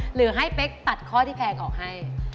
หรือให้เป๊กตัดข้อที่แพงออกให้